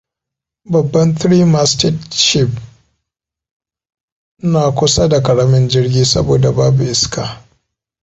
Babban three-masted ship na kusa da ƙaramin jirgi, saboda babu iska.